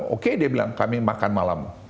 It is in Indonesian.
oke dia bilang kami makan malam